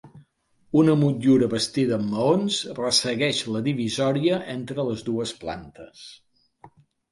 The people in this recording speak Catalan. Una motllura bastida amb maons ressegueix la divisòria entre les dues plantes.